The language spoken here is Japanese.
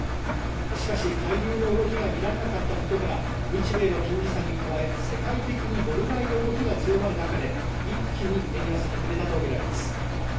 しかし、介入の動きが見られなかったことから日米の金利差に加え世界的にドル買いの動きが強まる中で、一気に円安に振れたとみられます。